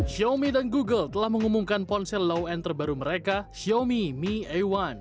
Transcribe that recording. xiaomi dan google telah mengumumkan ponsel low end terbaru mereka xiaomi me a satu